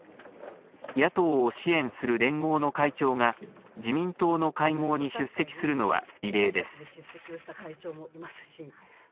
野党を支援する連合の会長が、自民党の会合に出席するのは異例です。